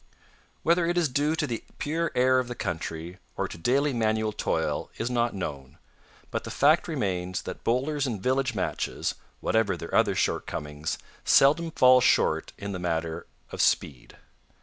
Whether it is due to the pure air of the country or to daily manual toil is not known, but the fact remains that bowlers in village matches, whatever their other shortcomings, seldom fall short in the matter of speed.